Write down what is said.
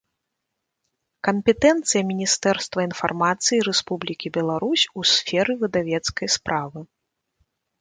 Кампетэнцыя Мiнiстэрства iнфармацыi Рэспублiкi Беларусь у сферы выдавецкай справы